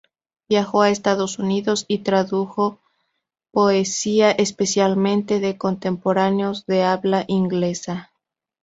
Viajó a Estados Unidos y tradujo poesía especialmente de contemporáneos de habla inglesa.